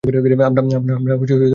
আমরা এখন রওনা দিবো।